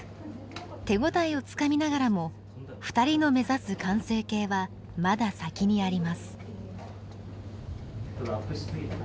手応えをつかみながらも２人の目指す完成形はまだ先にあります。